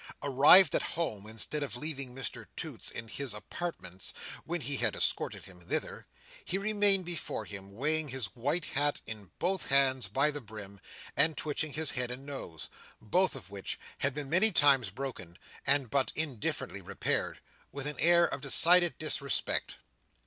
Arrived at home, instead of leaving Mr Toots in his apartments when he had escorted him thither, he remained before him weighing his white hat in both hands by the brim, and twitching his head and nose (both of which had been many times broken, and but indifferently repaired), with an air of decided disrespect.